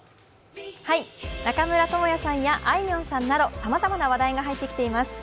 中村倫也さんやあいみょんさんなどさまざまな話題が入ってきています。